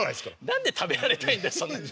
何で食べられたいんだそんなに。